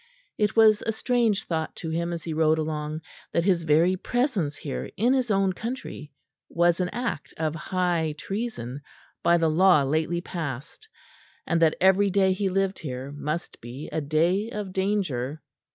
It was a strange thought to him as he rode along that his very presence here in his own country was an act of high treason by the law lately passed, and that every day he lived here must be a day of danger.